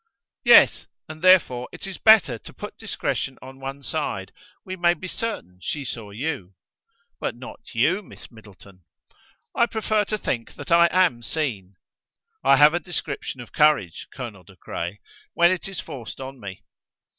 "Yes. And therefore it is better to put discretion on one side: we may be certain she saw you." "But not you, Miss Middleton." "I prefer to think that I am seen. I have a description of courage, Colonel De Craye, when it is forced on me."